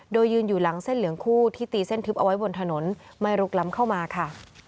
โดยยืนอยู่หลังเส้นเหลืองคู่ที่ตีเส้นทึบเอาไว้บนถนนไม่ลุกล้ำเข้ามาค่ะ